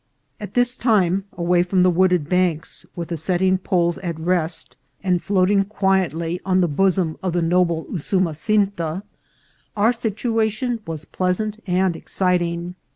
At this time, away from the wooded banks, with the setting poles at rest, and floating quietly on the bosom 33 376 INCIDENTS OF TRAVEL. of the noble Usumasinta, our situation was pleasant and exciting.